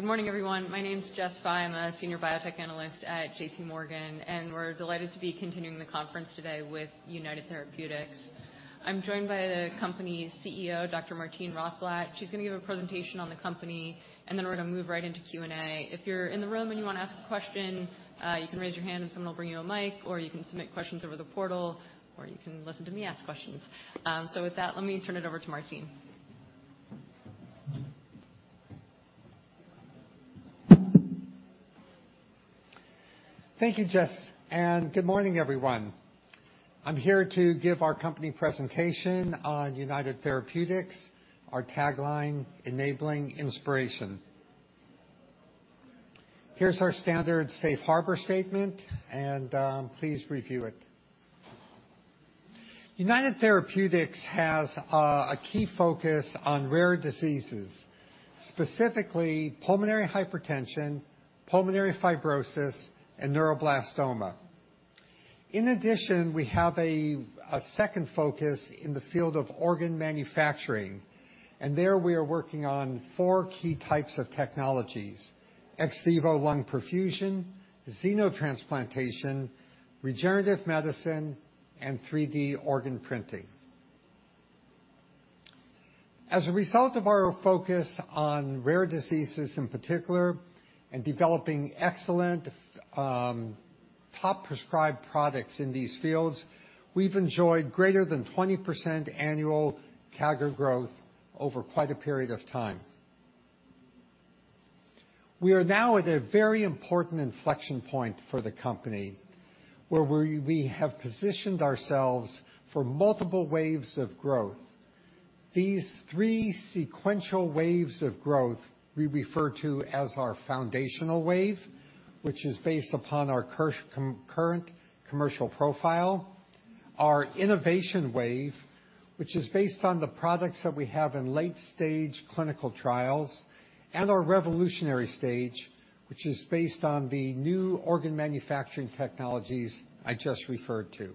Good morning, everyone. My name is Jessica Fye. I'm a senior biotech analyst at JPMorgan, and we're delighted to be continuing the conference today with United Therapeutics. I'm joined by the company's CEO, Dr. Martine Rothblatt. She's going to give a presentation on the company, and then we're going to move right into Q&A. If you're in the room and you want to ask a question, you can raise your hand and someone will bring you a mic, or you can submit questions over the portal, or you can listen to me ask questions. So with that, let me turn it over to Martine. Thank you, Jess, and good morning, everyone. I'm here to give our company presentation on United Therapeutics, our tagline, "Enabling Inspiration." Here's our standard safe harbor statement, and please review it. United Therapeutics has a key focus on rare diseases, specifically pulmonary hypertension, pulmonary fibrosis, and neuroblastoma. In addition, we have a second focus in the field of organ manufacturing, and there, we are working on four key types of technologies: ex vivo lung perfusion, xenotransplantation, regenerative medicine, and 3D organ printing. As a result of our focus on rare diseases, in particular, and developing excellent top-prescribed products in these fields, we've enjoyed greater than 20% annual CAGR growth over quite a period of time. We are now at a very important inflection point for the company, where we have positioned ourselves for multiple waves of growth. These three sequential waves of growth, we refer to as our foundational wave, which is based upon our concurrent commercial profile, our innovation wave, which is based on the products that we have in late-stage clinical trials, and our revolutionary stage, which is based on the new organ manufacturing technologies I just referred to.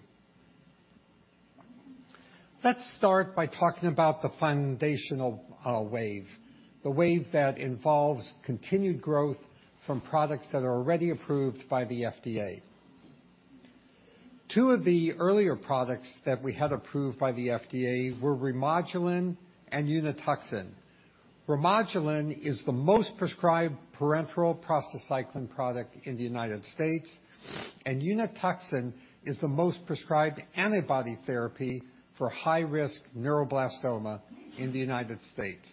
Let's start by talking about the foundational wave, the wave that involves continued growth from products that are already approved by the FDA. Two of the earlier products that we had approved by the FDA were Remodulin and Unituxin. Remodulin is the most prescribed parenteral prostacyclin product in the United States, and Unituxin is the most prescribed antibody therapy for high-risk neuroblastoma in the United States.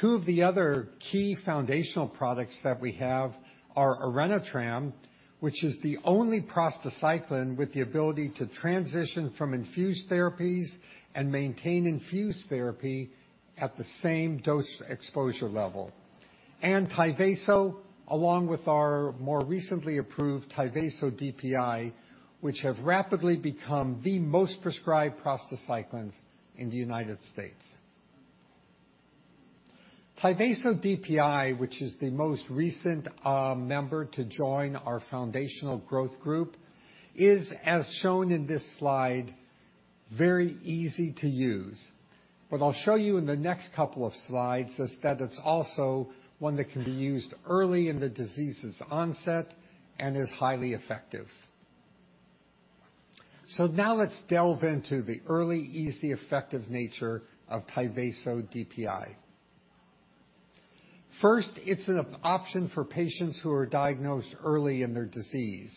Two of the other key foundational products that we have are Orenitram, which is the only prostacyclin with the ability to transition from infused therapies and maintain infused therapy at the same dose exposure level. And Tyvaso, along with our more recently approved Tyvaso DPI, which have rapidly become the most prescribed prostacyclins in the United States. Tyvaso DPI, which is the most recent member to join our foundational growth group, is, as shown in this slide, very easy to use. What I'll show you in the next couple of slides is that it's also one that can be used early in the disease's onset and is highly effective. So now let's delve into the early, easy, effective nature of Tyvaso DPI. First, it's an option for patients who are diagnosed early in their disease.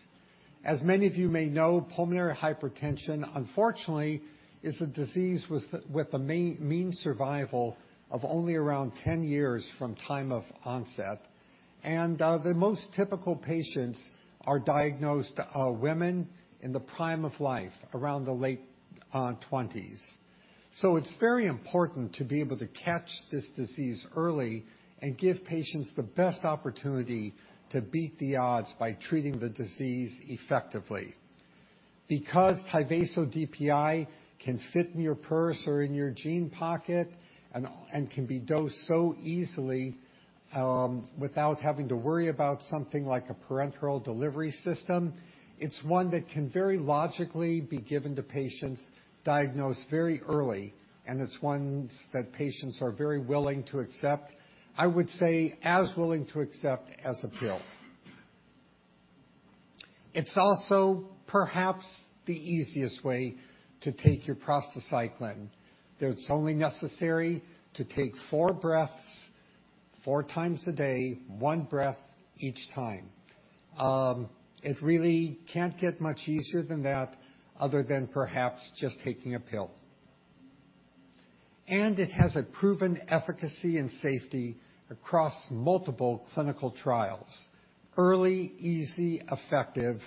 As many of you may know, pulmonary hypertension, unfortunately, is a disease with a mean survival of only around 10 years from time of onset, and the most typical patients are diagnosed women in the prime of life, around the late 20s. So it's very important to be able to catch this disease early and give patients the best opportunity to beat the odds by treating the disease effectively. Because Tyvaso DPI can fit in your purse or in your jean pocket and can be dosed so easily, without having to worry about something like a parenteral delivery system, it's one that can very logically be given to patients diagnosed very early, and it's one that patients are very willing to accept, I would say, as willing to accept as a pill. It's also perhaps the easiest way to take your prostacyclin. It's only necessary to take four breaths, 4x a day, one breath each time. It really can't get much easier than that, other than perhaps just taking a pill. It has a proven efficacy and safety across multiple clinical trials. Early, easy, effective.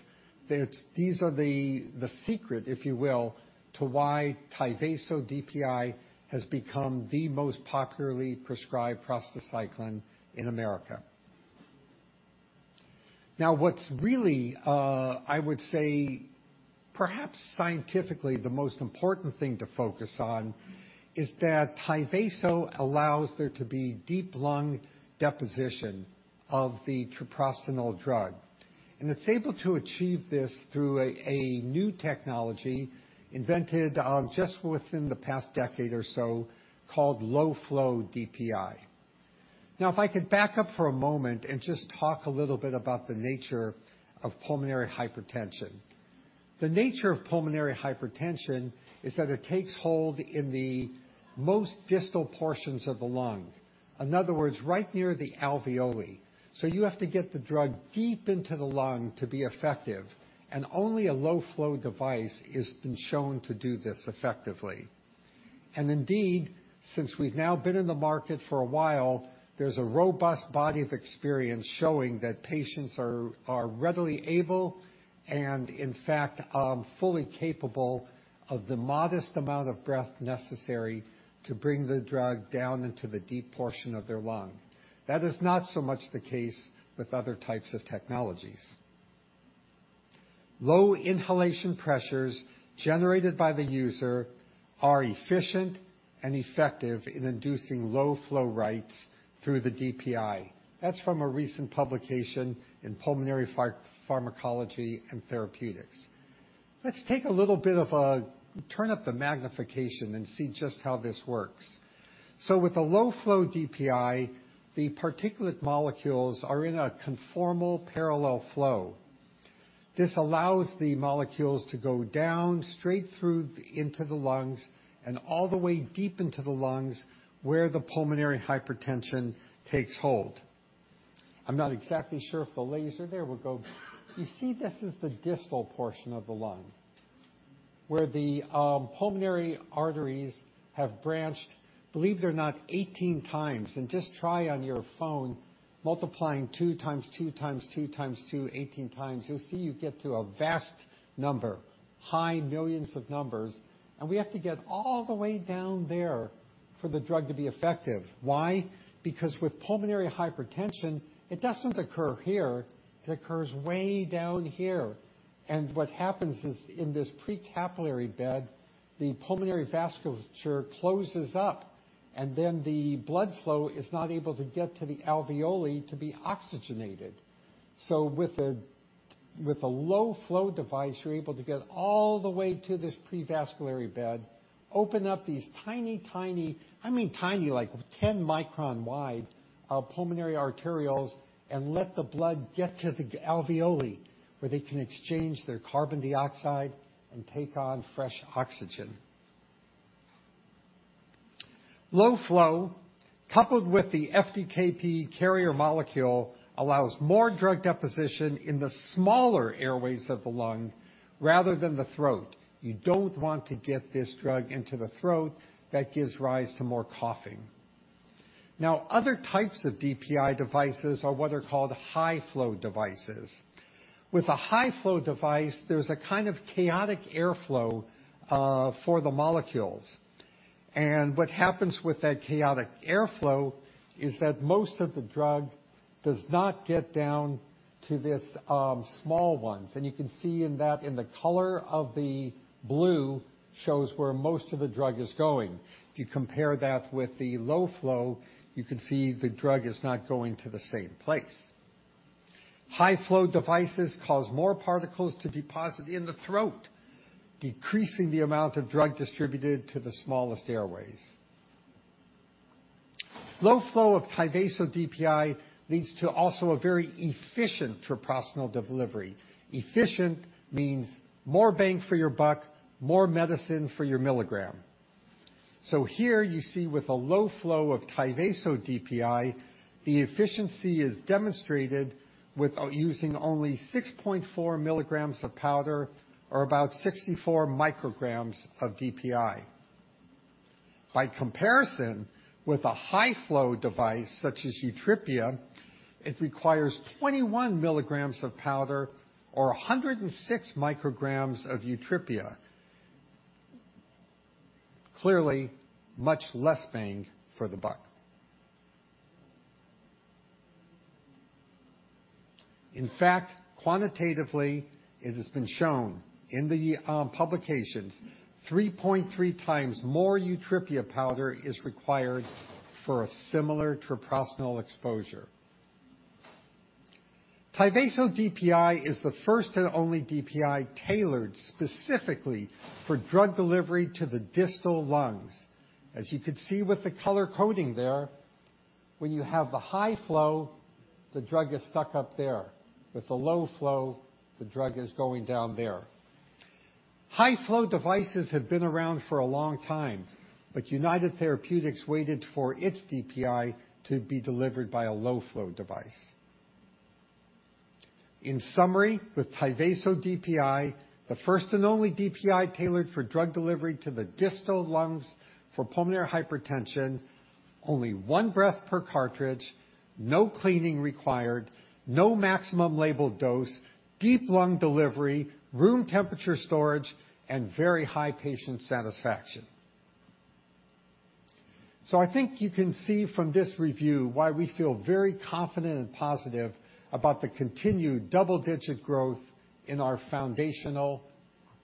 It's these are the, the secret, if you will, to why Tyvaso DPI has become the most popularly prescribed prostacyclin in America. Now, what's really, I would say, perhaps scientifically, the most important thing to focus on is that Tyvaso allows there to be deep lung deposition of the treprostinil drug, and it's able to achieve this through a new technology invented just within the past decade or so, called low-flow DPI. Now, if I could back up for a moment and just talk a little bit about the nature of pulmonary hypertension. The nature of pulmonary hypertension is that it takes hold in the most distal portions of the lung, in other words, right near the alveoli. You have to get the drug deep into the lung to be effective, and only a low-flow device has been shown to do this effectively. Indeed, since we've now been in the market for a while, there's a robust body of experience showing that patients are, are readily able, and in fact, fully capable of the modest amount of breath necessary to bring the drug down into the deep portion of their lung. That is not so much the case with other types of technologies. Low inhalation pressures generated by the user are efficient and effective in inducing low flow rates through the DPI. That's from a recent publication in Pulmonary Pharmacology and Therapeutics. Let's take a little bit of a Turn up the magnification and see just how this works. So with a low-flow DPI, the particulate molecules are in a conformal parallel flow. This allows the molecules to go down straight through into the lungs and all the way deep into the lungs, where the pulmonary hypertension takes hold. I'm not exactly sure if the laser there will go. You see, this is the distal portion of the lung, where the pulmonary arteries have branched, believe it or not, 18x. And just try on your phone, multiplying 2x2x2x2, 18x. You'll see you get to a vast number, high millions of numbers, and we have to get all the way down there for the drug to be effective. Why? Because with pulmonary hypertension, it doesn't occur here, it occurs way down here. And what happens is, in this precapillary bed, the pulmonary vasculature closes up, and then the blood flow is not able to get to the alveoli to be oxygenated. So with a low-flow device, you're able to get all the way to this precapillary bed, open up these tiny, tiny, I mean tiny, like 10-micron wide, pulmonary arterioles, and let the blood get to the alveoli, where they can exchange their carbon dioxide and take on fresh oxygen. Low flow, coupled with the FDKP carrier molecule, allows more drug deposition in the smaller airways of the lung rather than the throat. You don't want to get this drug into the throat. That gives rise to more coughing. Now, other types of DPI devices are what are called high-flow devices. With a high-flow device, there's a kind of chaotic airflow for the molecules. And what happens with that chaotic airflow is that most of the drug does not get down to this, small ones. And you can see in that, in the color of the blue, shows where most of the drug is going. If you compare that with the low flow, you can see the drug is not going to the same place. High-flow devices cause more particles to deposit in the throat, decreasing the amount of drug distributed to the smallest airways. Low flow of Tyvaso DPI leads to also a very efficient treprostinil delivery. Efficient means more bang for your buck, more medicine for your milligram. So here you see with a low flow of Tyvaso DPI, the efficiency is demonstrated with, using only 6.4 milligrams of powder or about 64 micrograms of DPI. By comparison, with a high-flow device such as Yutrepia, it requires 21 milligrams of powder or 106 micrograms of Yutrepia. Clearly, much less bang for the buck. In fact, quantitatively, it has been shown in the publications, 3.3x more Yutrepia powder is required for a similar treprostinil exposure. Tyvaso DPI is the first and only DPI tailored specifically for drug delivery to the distal lungs. As you could see with the color coding there, when you have the high flow, the drug is stuck up there. With the low flow, the drug is going down there. High-flow devices have been around for a long time, but United Therapeutics waited for its DPI to be delivered by a low-flow device. In summary, with Tyvaso DPI, the first and only DPI tailored for drug delivery to the distal lungs for pulmonary hypertension, only one breath per cartridge, no cleaning required, no maximum labeled dose, deep lung delivery, room temperature storage, and very high patient satisfaction. So I think you can see from this review why we feel very confident and positive about the continued double-digit growth in our foundational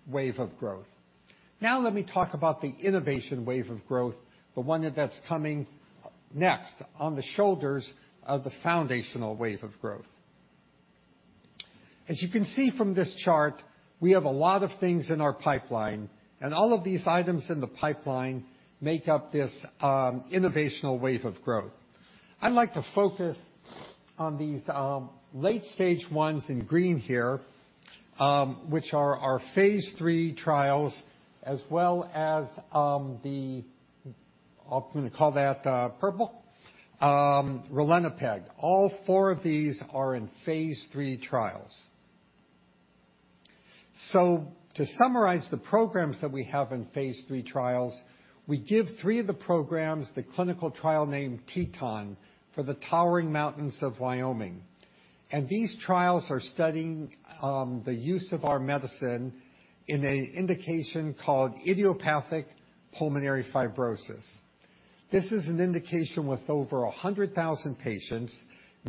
wave of growth. Now let me talk about the innovation wave of growth, the one that's coming next on the shoulders of the foundational wave of growth. As you can see from this chart, we have a lot of things in our pipeline, and all of these items in the pipeline make up this, innovational wave of growth. I'd like to focus on these, late-stage ones in green here, which are our phase III trials, as well as, I'm going to call that, purple, ralinepag. All four of these are in phase III trials. So to summarize the programs that we have in phase III trials, we give three of the programs the clinical trial name Teton for the towering mountains of Wyoming. And these trials are studying the use of our medicine in an indication called idiopathic pulmonary fibrosis. This is an indication with over 100,000 patients,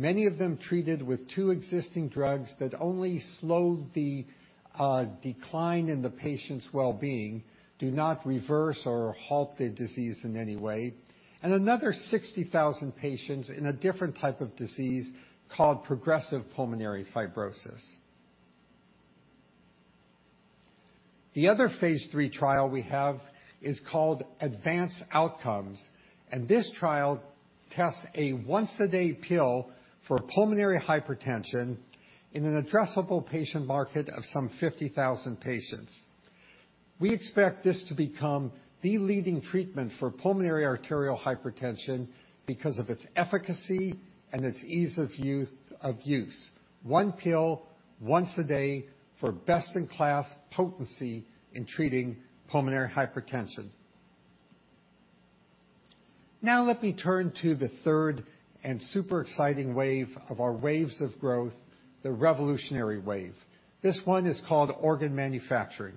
many of them treated with two existing drugs that only slow the decline in the patient's well-being, do not reverse or halt the disease in any way, and another 60,000 patients in a different type of disease called progressive pulmonary fibrosis. The other phase III trial we have is called ADVANCE OUTCOMES, and this trial tests a once-a-day pill for pulmonary hypertension in an addressable patient market of some 50,000 patients. We expect this to become the leading treatment for pulmonary arterial hypertension because of its efficacy and its ease of use, of use. One pill, once a day, for best-in-class potency in treating pulmonary hypertension. Now, let me turn to the third and super exciting wave of our waves of growth, the revolutionary wave. This one is called organ manufacturing.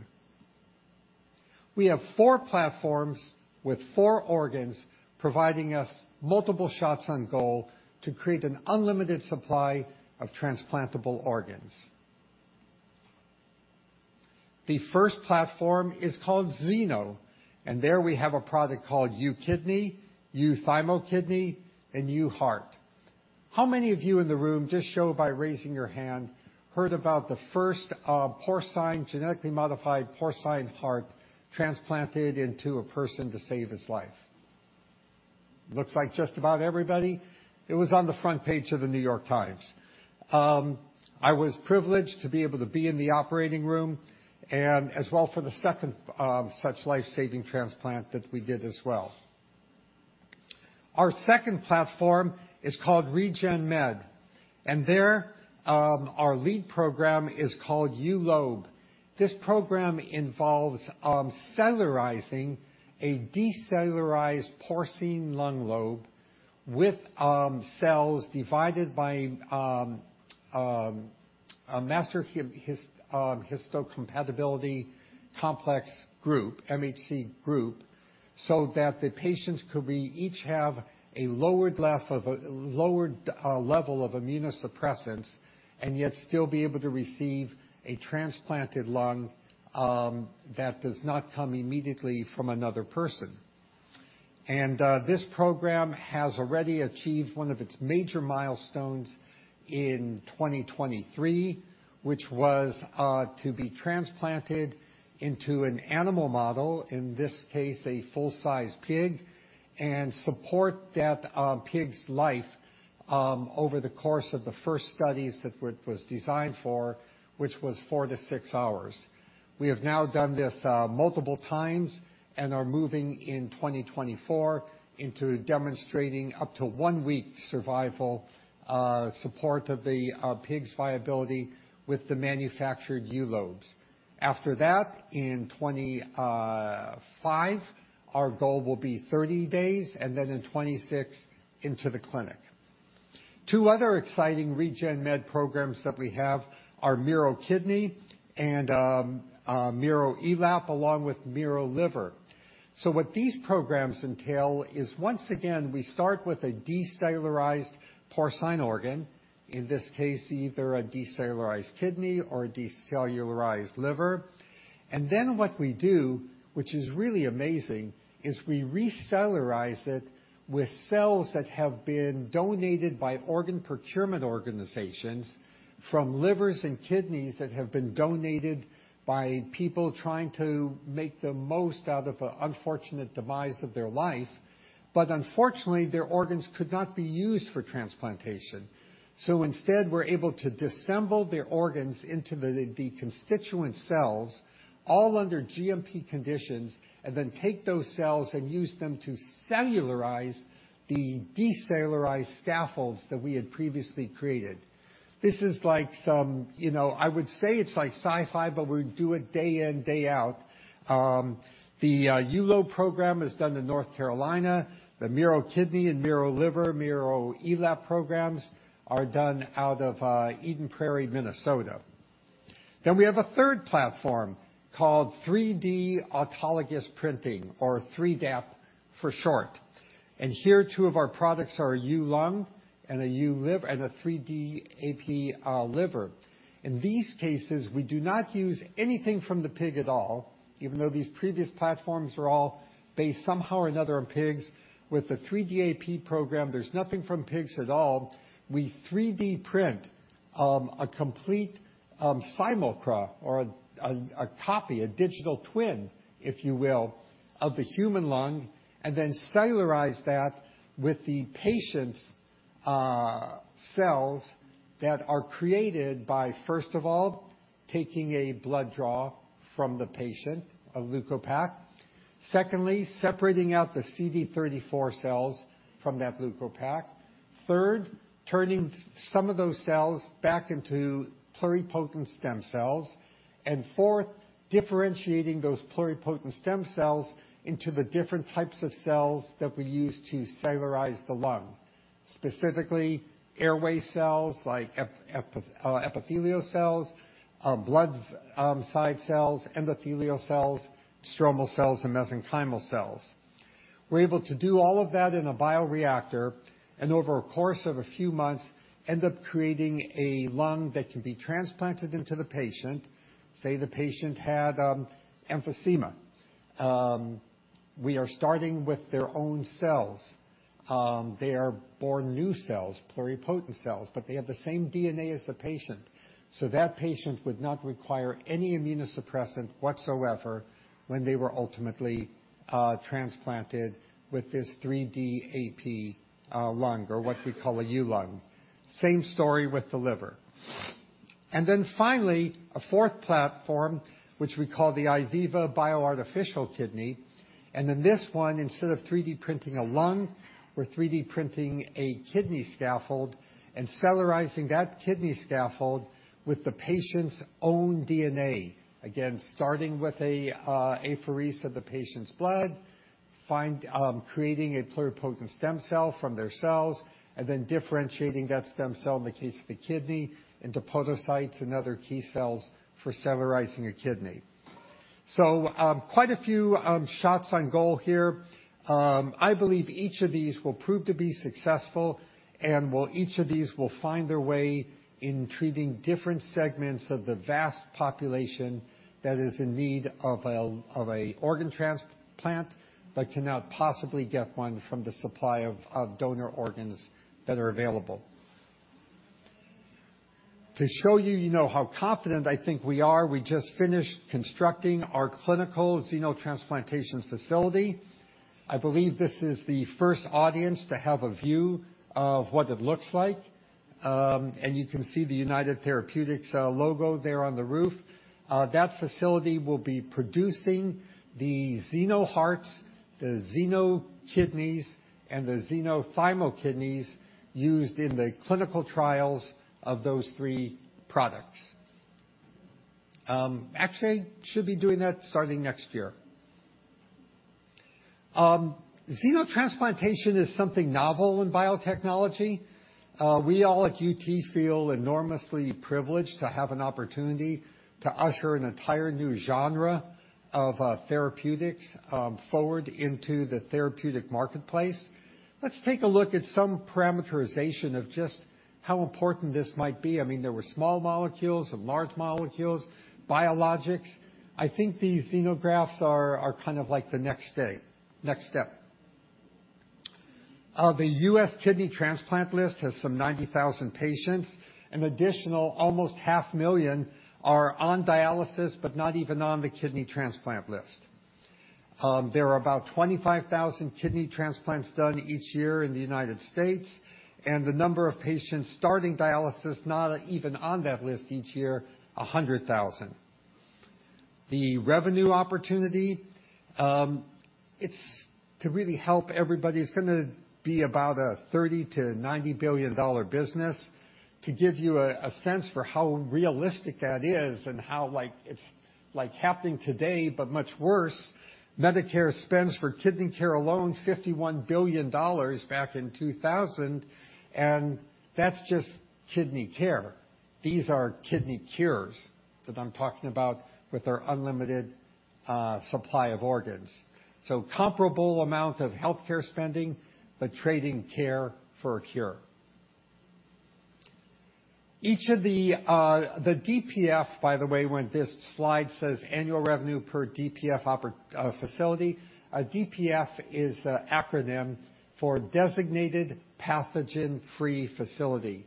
We have four platforms with four organs, providing us multiple shots on goal to create an unlimited supply of transplantable organs. The first platform is called Xeno, and there we have a product called UKidney, UThymoKidney, and UHeart. How many of you in the room, just show by raising your hand, heard about the first, porcine, genetically modified porcine heart transplanted into a person to save his life? Looks like just about everybody. It was on the front page of The New York Times. I was privileged to be able to be in the operating room and as well for the second, such life-saving transplant that we did as well. Our second platform is called Regen Med, and there, our lead program is called ULobe. This program involves cellularizing a decellularized porcine lung lobe with cells divided by a major histocompatibility complex group, MHC group, so that the patients could each have a lowered level of immunosuppressants and yet still be able to receive a transplanted lung that does not come immediately from another person. This program has already achieved one of its major milestones in 2023, which was to be transplanted into an animal model, in this case, a full-size pig, and support that pig's life over the course of the first studies that it was designed for, which was four to six hours. We have now done this multiple times and are moving in 2024 into demonstrating up to one week survival support of the pig's viability with the manufactured ULobes. After that, in 2025, our goal will be 30 days, and then in 2026, into the clinic. Two other exciting Regen Med programs that we have are miroKidney and miroELAP, along with miroLiver. So what these programs entail is, once again, we start with a decellularized porcine organ, in this case, either a decellularized kidney or a decellularized liver. And then what we do, which is really amazing, is we recellularize it with cells that have been donated by organ procurement organizations from livers and kidneys that have been donated by people trying to make the most out of an unfortunate demise of their life. But unfortunately, their organs could not be used for transplantation. So instead, we're able to dissemble their organs into the constituent cells, all under GMP conditions, and then take those cells and use them to cellularize the decellularized scaffolds that we had previously created. This is like some, you know, I would say it's like sci-fi, but we do it day in, day out. The ULobe program is done in North Carolina. The miroKidney and miroLiver, miroELAP programs are done out of Eden Prairie, Minnesota. Then we have a third platform called 3D autologous printing, or 3DAP for short. And here, two of our products are ULung and a uLiv- and a 3DAP, liver. In these cases, we do not use anything from the pig at all, even though these previous platforms are all based somehow or another on pigs. With the 3DAP program, there's nothing from pigs at all. We 3D print a complete simulacra or a copy, a digital twin, if you will, of the human lung, and then cellularize that with the patient's cells that are created by, first of all, taking a blood draw from the patient, a Leukopak. Secondly, separating out the CD34 cells from that Leukopak. Third, turning some of those cells back into pluripotent stem cells. And fourth, differentiating those pluripotent stem cells into the different types of cells that we use to cellularize the lung, specifically airway cells like epithelial cells, blood side cells, endothelial cells, stromal cells, and mesenchymal cells. We're able to do all of that in a bioreactor, and over a course of a few months, end up creating a lung that can be transplanted into the patient. Say, the patient had emphysema. We are starting with their own cells. They are born new cells, pluripotent cells, but they have the same DNA as the patient, so that patient would not require any immunosuppressant whatsoever when they were ultimately transplanted with this 3DAP lung, or what we call a ULung. Same story with the liver. And then finally, a fourth platform, which we call the Iviva Bioartificial Kidney. And in this one, instead of 3D printing a lung, we're 3D printing a kidney scaffold and cellularizing that kidney scaffold with the patient's own DNA. Again, starting with a apheresis of the patient's blood, creating a pluripotent stem cell from their cells, and then differentiating that stem cell, in the case of the kidney, into podocytes and other key cells for cellularizing a kidney. So, quite a few shots on goal here. I believe each of these will prove to be successful, and well, each of these will find their way in treating different segments of the vast population that is in need of an organ transplant, but cannot possibly get one from the supply of donor organs that are available. To show you, you know, how confident I think we are, we just finished constructing our clinical xenotransplantation facility. I believe this is the first audience to have a view of what it looks like. You can see the United Therapeutics logo there on the roof. That facility will be producing the xenohearts, the xenokidneys, and the xenothymokidneys used in the clinical trials of those three products. Actually, should be doing that starting next year. Xenotransplantation is something novel in biotechnology. We all at UT feel enormously privileged to have an opportunity to usher an entire new genre of therapeutics forward into the therapeutic marketplace. Let's take a look at some parameterization of just how important this might be. I mean, there were small molecules and large molecules, biologics. I think these xenografts are kind of like the next step. The U.S. kidney transplant list has some 90,000 patients. An additional, almost 500,000 are on dialysis, but not even on the kidney transplant list. There are about 25,000 kidney transplants done each year in the United States, and the number of patients starting dialysis, not even on that list each year, 100,000. The revenue opportunity, it's to really help everybody. It's gonna be about a $30 billion-$90 billion business. To give you a sense for how realistic that is and how like, it's like happening today, but much worse, Medicare spends for kidney care alone, $51 billion back in 2000, and that's just kidney care. These are kidney cures that I'm talking about with our unlimited supply of organs. So comparable amount of healthcare spending, but trading care for a cure. Each of the DPF, by the way, when this slide says, "Annual revenue per DPF facility," a DPF is an acronym for Designated Pathogen-Free Facility.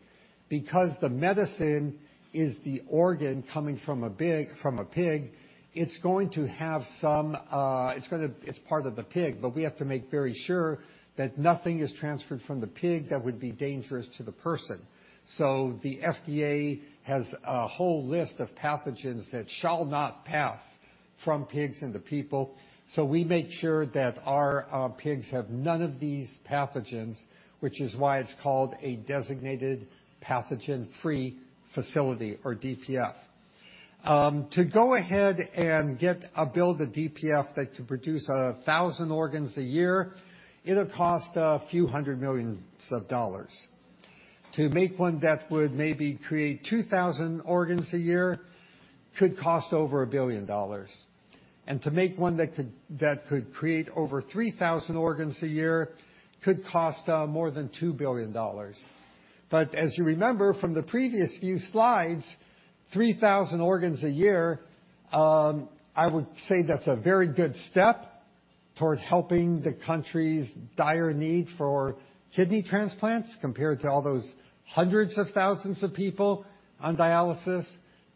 Because the medicine is the organ coming from a pig, it's going to have some. It's gonna. It's part of the pig, but we have to make very sure that nothing is transferred from the pig that would be dangerous to the person. So the FDA has a whole list of pathogens that shall not pass from pigs into people. So we make sure that our pigs have none of these pathogens, which is why it's called a Designated Pathogen-Free Facility, or DPF. To go ahead and get build a DPF that can produce 1,000 organs a year, it'll cost a few hundred million dollars. To make one that would maybe create 2,000 organs a year, could cost over $1 billion. And to make one that could, that could create over 3,000 organs a year, could cost more than $2 billion. But as you remember from the previous few slides, 3,000 organs a year, I would say that's a very good step towards helping the country's dire need for kidney transplants compared to all those hundreds of thousands of people on dialysis,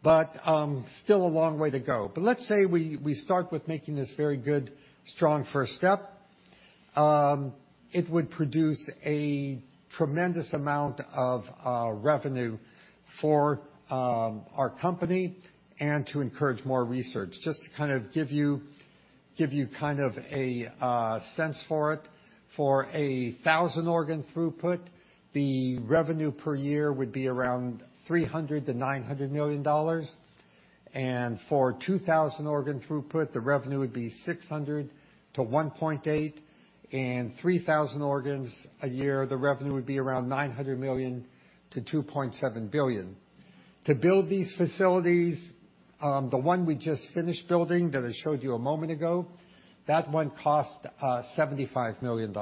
but still a long way to go. But let's say we start with making this very good, strong first step. It would produce a tremendous amount of revenue for our company and to encourage more research. Just to kind of give you kind of a sense for it. For a 1,000 organ throughput, the revenue per year would be around $300 million-$900 million, and for 2,000 organ throughput, the revenue would be $600 million-$1.8 billion, and 3,000 organs a year, the revenue would be around $900 million-$2.7 billion. To build these facilities, the one we just finished building that I showed you a moment ago, that one cost $75 million,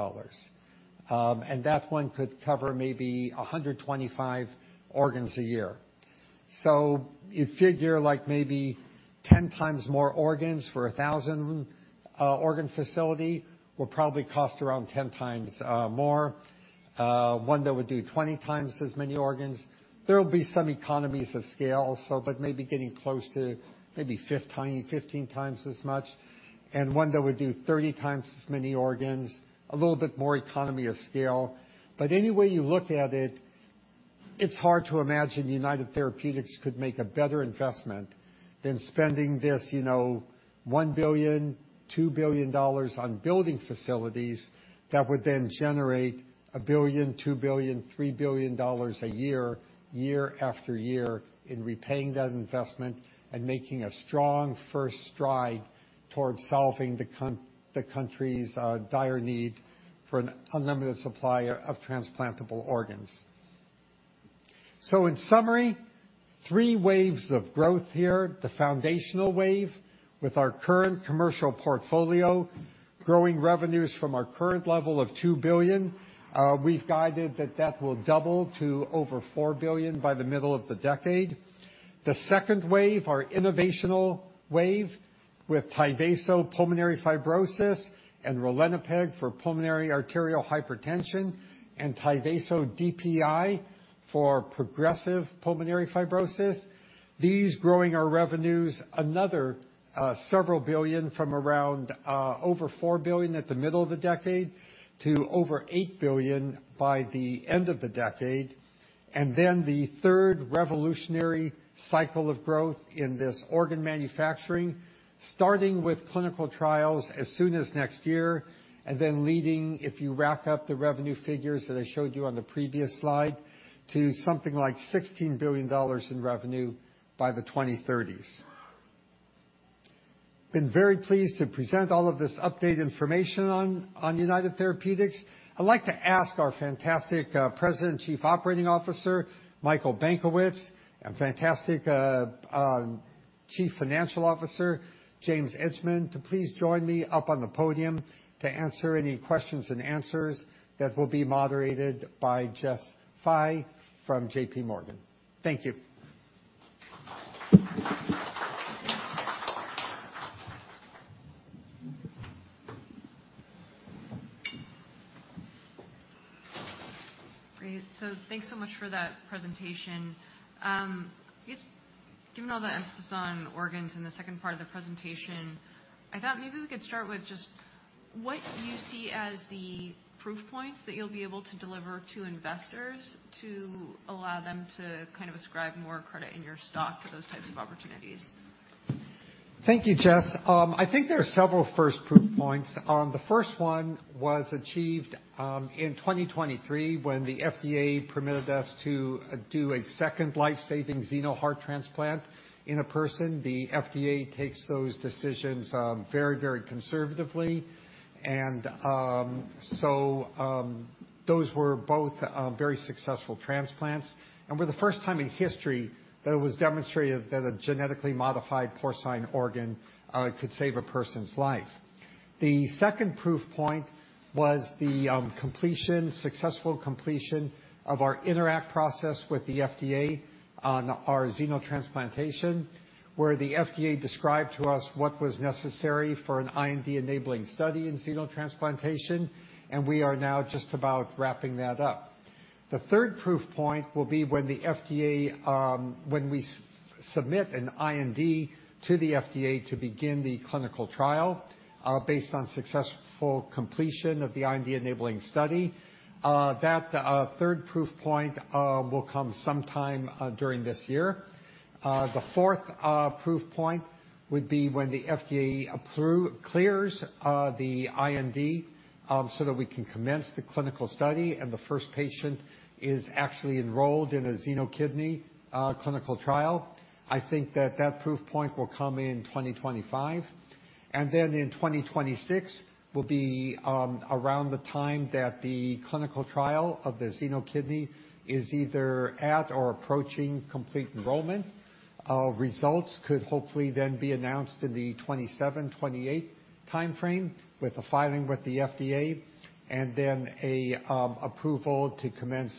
and that one could cover maybe 125 organs a year. So you figure, like maybe 10x more organs for a 1,000 organ facility will probably cost around 10x more. One that would do 20x as many organs. There will be some economies of scale, so, but maybe getting close to maybe fifth time, 15x as much, and one that would do 30x as many organs, a little bit more economy of scale. But any way you look at it, it's hard to imagine United Therapeutics could make a better investment than spending this, you know, $1 billion, $2 billion on building facilities that would then generate $1 billion, $2 billion, $3 billion a year, year after year in repaying that investment and making a strong first stride towards solving the country's dire need for an unlimited supply of transplantable organs. So in summary, three waves of growth here. The foundational wave with our current commercial portfolio, growing revenues from our current level of $2 billion, we've guided that that will double to over $4 billion by the middle of the decade. The second wave, our innovational wave, with Tyvaso pulmonary fibrosis and ralinepag for pulmonary arterial hypertension, and Tyvaso DPI for progressive pulmonary fibrosis. These growing our revenues another, several billion from around over $4 billion at the middle of the decade to over $8 billion by the end of the decade. And then the third revolutionary cycle of growth in this organ manufacturing, starting with clinical trials as soon as next year, and then leading, if you rack up the revenue figures that I showed you on the previous slide, to something like $16 billion in revenue by the 2030s. been very pleased to present all of this updated information on United Therapeutics. I'd like to ask our fantastic President and Chief Operating Officer, Michael Benkowitz, and fantastic Chief Financial Officer, James Edgemond, to please join me up on the podium to answer any questions and answers that will be moderated by Jessica Fye from JPMorgan. Thank you. Great. Thanks so much for that presentation. I guess given all the emphasis on organs in the second part of the presentation, I thought maybe we could start with just what you see as the proof points that you'll be able to deliver to investors to allow them to kind of ascribe more credit in your stock for those types of opportunities? Thank you, Jess. I think there are several first proof points. The first one was achieved in 2023, when the FDA permitted us to do a second life-saving xeno heart transplant in a person. The FDA takes those decisions very, very conservatively. So, those were both very successful transplants, and were the first time in history that it was demonstrated that a genetically modified porcine organ could save a person's life. The second proof point was the successful completion of our INTERACT process with the FDA on our xenotransplantation, where the FDA described to us what was necessary for an IND-enabling study in xenotransplantation, and we are now just about wrapping that up. The third proof point will be when the FDA, when we submit an IND to the FDA to begin the clinical trial, based on successful completion of the IND-enabling study. That third proof point will come sometime during this year. The fourth proof point would be when the FDA clears the IND, so that we can commence the clinical study, and the first patient is actually enrolled in a xenokidney clinical trial. I think that that proof point will come in 2025, and then in 2026 will be around the time that the clinical trial of the xenokidney is either at or approaching complete enrollment. Our results could hopefully then be announced in the 2027-2028 timeframe with a filing with the FDA, and then a approval to commence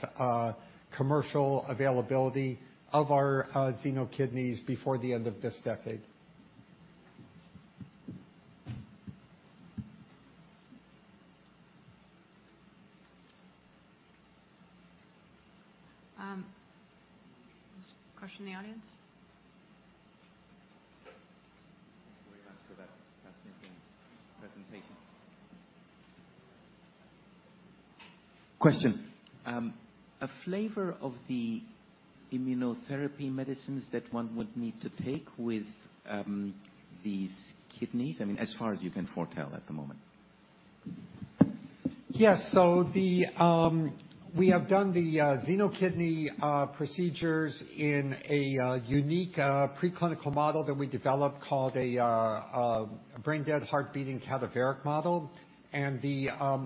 commercial availability of our xeno kidneys before the end of this decade. There's a question in the audience? Thanks very much for that fascinating presentation. Question: a flavor of the immunotherapy medicines that one would need to take with these kidneys, I mean, as far as you can foretell at the moment. Yes. So we have done the xeno kidney procedures in a unique preclinical model that we developed called a brain-dead, heart-beating cadaveric model. And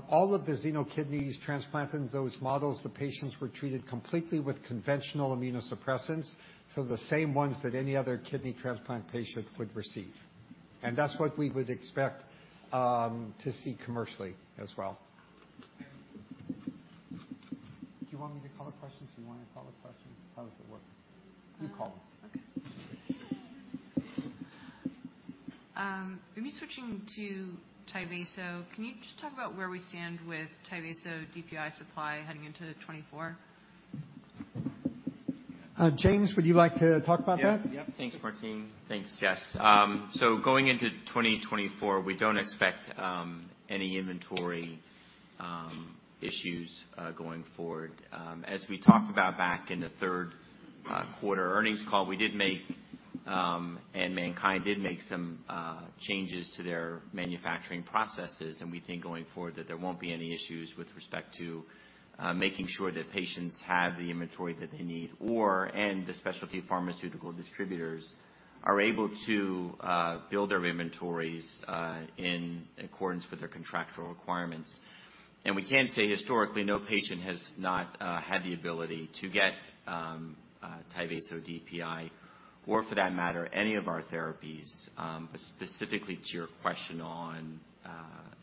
all of the xeno kidneys transplanted in those models, the patients were treated completely with conventional immunosuppressants, so the same ones that any other kidney transplant patient would receive. And that's what we would expect to see commercially as well. Do you want me to call the questions? Do you want to call the questions? How does it work? You call them. Okay. Maybe switching to Tyvaso, can you just talk about where we stand with Tyvaso DPI supply heading into 2024? James, would you like to talk about that? Yeah. Yeah. Thanks, Martine. Thanks, Jess. So going into 2024, we don't expect any inventory issues going forward. As we talked about back in the third quarter earnings call, we did make, and MannKind did make some changes to their manufacturing processes, and we think going forward, that there won't be any issues with respect to making sure that patients have the inventory that they need, or/and the specialty pharmaceutical distributors are able to build their inventories in accordance with their contractual requirements. And we can say historically, no patient has not had the ability to get Tyvaso DPI, or for that matter, any of our therapies. But specifically to your question on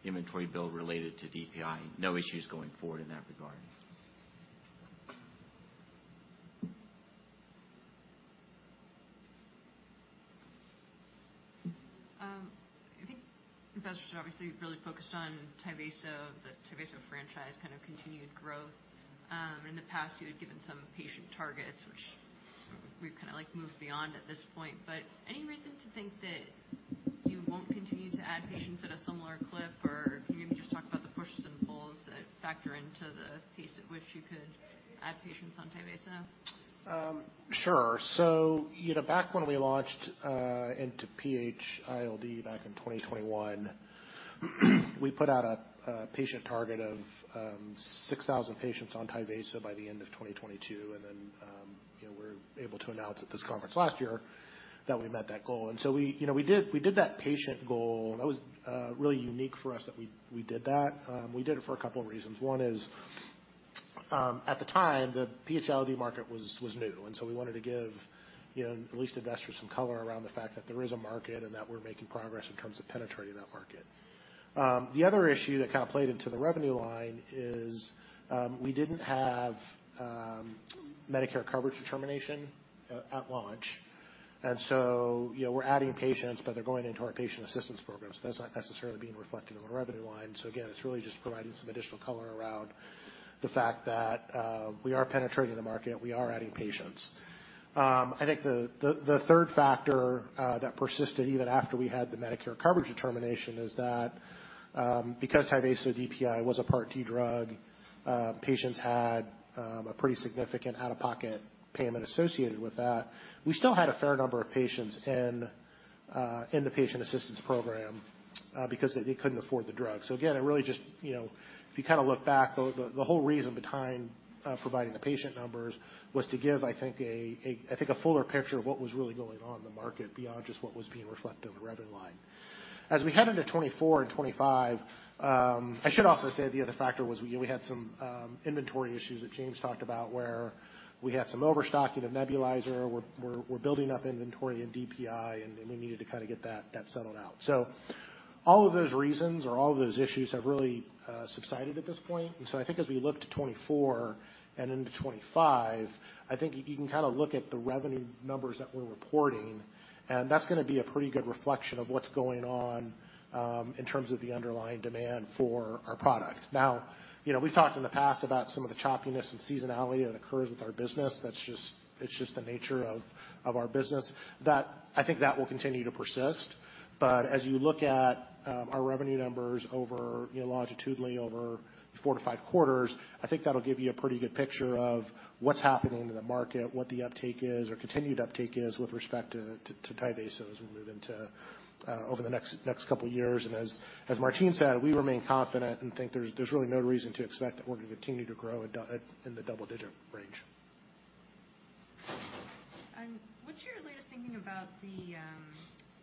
inventory build related to DPI, no issues going forward in that regard. I think investors are obviously really focused on Tyvaso, the Tyvaso franchise, kind of continued growth. In the past, you had given some patient targets, which we've kind of, like, moved beyond at this point. But any reason to think that you won't continue to add patients at a similar clip? Or can you maybe just talk about the pushes and pulls that factor into the pace at which you could add patients on Tyvaso? Sure. So, you know, back when we launched into PH-ILD, back in 2021, we put out a patient target of 6,000 patients on Tyvaso by the end of 2022. And then, you know, we're able to announce at this conference last year that we met that goal. And so we, you know, we did, we did that patient goal, and that was really unique for us that we, we did that. We did it for a couple of reasons. One is, at the time, the PH-ILD market was new, and so we wanted to give, you know, at least investors some color around the fact that there is a market and that we're making progress in terms of penetrating that market. The other issue that kind of played into the revenue line is, we didn't have Medicare coverage determination at launch. And so, you know, we're adding patients, but they're going into our patient assistance programs. That's not necessarily being reflected in the revenue line. So again, it's really just providing some additional color around the fact that, we are penetrating the market, we are adding patients. I think the third factor that persisted even after we had the Medicare coverage determination is that, because Tyvaso DPI was a Part D drug, patients had a pretty significant out-of-pocket payment associated with that. We still had a fair number of patients in the patient assistance program because they couldn't afford the drug. So again, it really just, you know, if you kind of look back, the whole reason behind providing the patient numbers was to give, I think, a fuller picture of what was really going on in the market beyond just what was being reflected on the revenue line. As we head into 2024 and 2025, I should also say the other factor was, you know, we had some inventory issues that James talked about, where we had some overstock in the nebulizer. We're building up inventory in DPI, and then we needed to kind of get that settled out. So all of those reasons or all of those issues have really subsided at this point. So I think as we look to 2024 and into 2025, I think you can kind of look at the revenue numbers that we're reporting, and that's gonna be a pretty good reflection of what's going on in terms of the underlying demand for our product. Now, you know, we've talked in the past about some of the choppiness and seasonality that occurs with our business. That's just. It's just the nature of our business, that I think that will continue to persist. But as you look at our revenue numbers over, you know, longitudinally over four to five quarters, I think that'll give you a pretty good picture of what's happening in the market, what the uptake is, or continued uptake is with respect to Tyvaso as we move into over the next couple of years. And as Martine said, we remain confident and think there's really no reason to expect that we're going to continue to grow at double-digit range. What's your latest thinking about the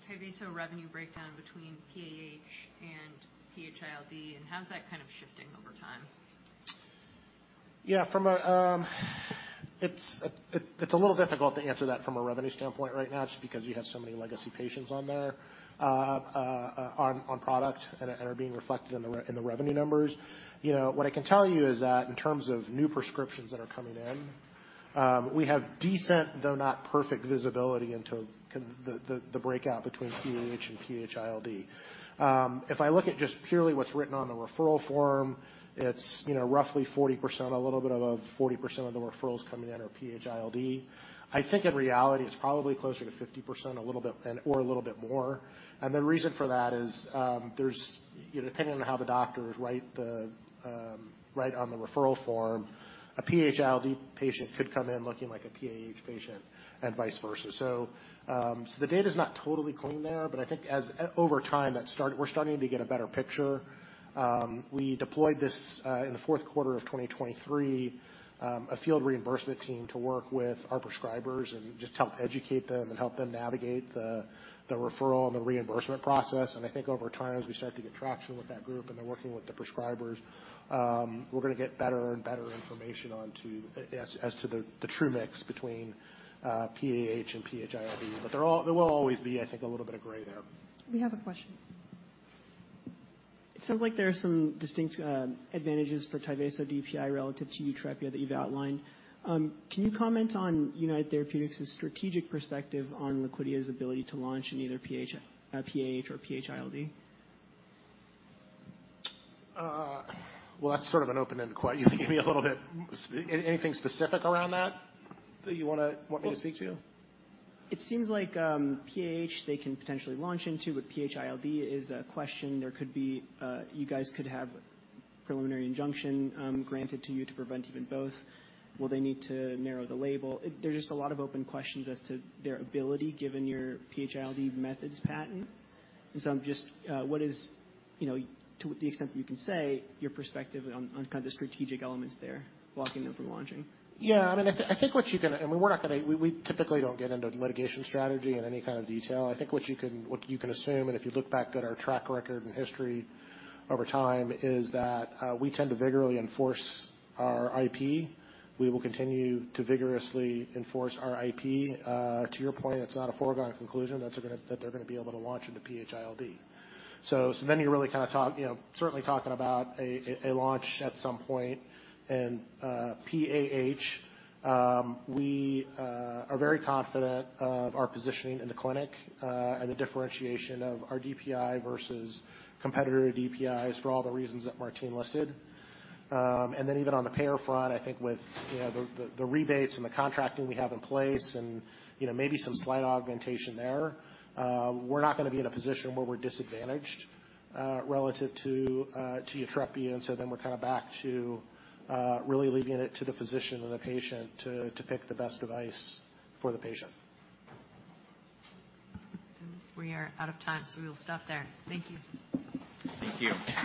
Tyvaso revenue breakdown between PAH and PH-ILD, and how's that kind of shifting over time? Yeah, from a, it's a little difficult to answer that from a revenue standpoint right now, just because you have so many legacy patients on there, on product and are being reflected in the revenue numbers. You know, what I can tell you is that in terms of new prescriptions that are coming in, we have decent, though not perfect, visibility into the breakout between PAH and PH-ILD. If I look at just purely what's written on the referral form, it's, you know, roughly 40%, a little bit above 40% of the referrals coming in are PH-ILD. I think in reality, it's probably closer to 50%, a little bit, and or a little bit more. And the reason for that is, there's, you know, depending on how the doctors write on the referral form, a PH-ILD patient could come in looking like a PAH patient, and vice versa. So the data's not totally clean there, but I think as, over time, we're starting to get a better picture. We deployed this in the fourth quarter of 2023, a field reimbursement team to work with our prescribers and just help educate them and help them navigate the referral and the reimbursement process. And I think over time, as we start to get traction with that group, and they're working with the prescribers, we're gonna get better and better information as to the true mix between PAH and PH-ILD. But there will always be, I think, a little bit of gray there. We have a question. It sounds like there are some distinct advantages for Tyvaso DPI relative to Yutrepia that you've outlined. Can you comment on United Therapeutics' strategic perspective on Liquidia's ability to launch in either PH, PAH or PH-ILD? Well, that's sort of an open-ended question. You can give me a little bit. Anything specific around that, that you want me to speak to? It seems like, PAH, they can potentially launch into, but PH-ILD is a question. There could be, you guys could have preliminary injunction, granted to you to prevent even both. Will they need to narrow the label? There's just a lot of open questions as to their ability, given your PH-ILD methods patent. And so I'm just, what is, you know, to the extent that you can say, your perspective on, on kind of the strategic elements there, blocking them from launching? Yeah, I mean, I think, I think what you can. And we're not gonna, we, we typically don't get into litigation strategy in any kind of detail. I think what you can, what you can assume, and if you look back at our track record and history over time, is that, we tend to vigorously enforce our IP. We will continue to vigorously enforce our IP. To your point, it's not a foregone conclusion that they're gonna, that they're gonna be able to launch into PH-ILD. So, so then you're really kind of talk, you know, certainly talking about a, a, a launch at some point. And, PAH, we are very confident of our positioning in the clinic, and the differentiation of our DPI versus competitor DPIs for all the reasons that Martine listed. And then even on the payer front, I think with, you know, the rebates and the contracting we have in place and, you know, maybe some slight augmentation there, we're not gonna be in a position where we're disadvantaged relative to Yutrepia, and so then we're kinda back to really leaving it to the physician and the patient to pick the best device for the patient. We are out of time, so we will stop there. Thank you. Thank you.